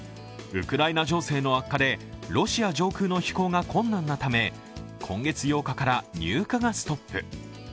ウクライナ情勢の悪化でロシア上空の飛行が困難なため今月８日から入荷がストップ。